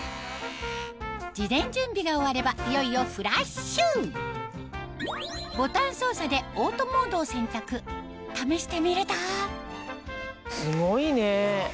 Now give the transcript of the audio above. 事前準備が終わればいよいよフラッシュボタン操作でＡＵＴＯモードを選択試してみるとすごいね！